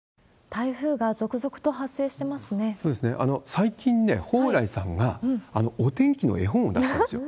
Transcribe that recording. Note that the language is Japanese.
最近ね、蓬莱さんがお天気の絵本を出したんですよ。